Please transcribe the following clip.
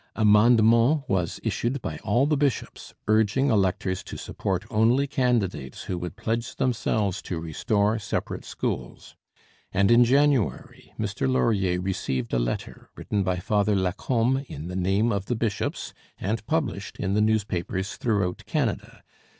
A mandement was issued by all the bishops urging electors to support only candidates who would pledge themselves to restore separate schools. And in January Mr Laurier received a letter written by Father Lacombe in the name of the bishops and published in the newspapers throughout Canada.